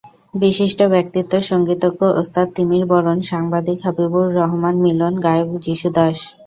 বিশিষ্ট ব্যক্তিত্ব—সংগীতজ্ঞ ওস্তাদ তিমির বরণ, সাংবাদিক হাবিবুর রহমান মিলন, গায়ক যিশু দাস।